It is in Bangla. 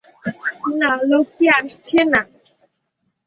না, লোকটি আসছে না।